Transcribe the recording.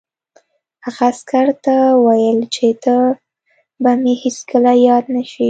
هغه عسکر ته وویل چې ته به مې هېڅکله یاد نه شې